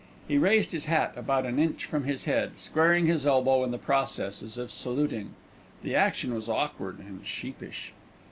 He raised his hat about an inch from his head, squaring his elbow in the process as if saluting. The action was awkward and sheepish.